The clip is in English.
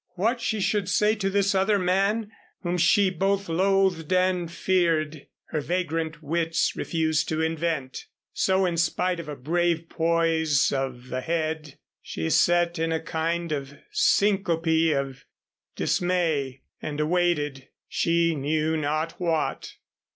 What she should say to this other man, whom she both loathed and feared, her vagrant wits refused to invent. So in spite of a brave poise of the head she sat in a kind of syncope of dismay, and awaited she knew not what.